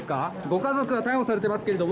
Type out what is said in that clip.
ご家族が逮捕されていますけど。